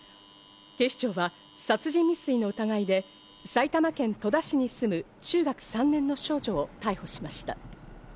警視庁は殺人未遂の疑いで、埼玉県戸田市に住む中学３年の少女を逮捕しました。